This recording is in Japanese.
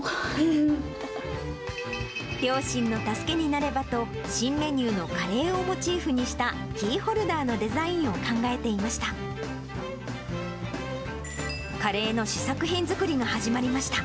両親の助けになればと、新メニューのカレーをモチーフにしたキーホルダーのデザインを考えていました。